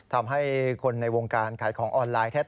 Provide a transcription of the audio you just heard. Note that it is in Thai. ทำให้คนในวงการขายของออนไลน์แทบ